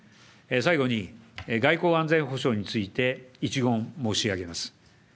最後に、外交安全保障について一言申し上げます。